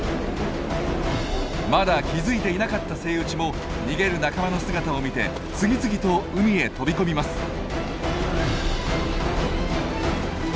まだ気付いていなかったセイウチも逃げる仲間の姿を見て次々と海へ飛び込みます。